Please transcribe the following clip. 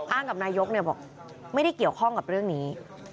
กับนายกบอกไม่ได้เกี่ยวข้องกับเรื่องนี้